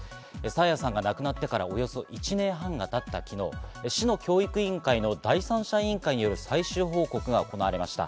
爽彩さんが亡くなってからおよそ１年半がたった昨日、教育委員会の第三者委員会による最終報告が行われました。